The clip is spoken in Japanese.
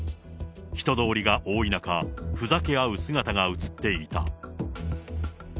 人通りが多い中、ふざけ合う姿が写っていた。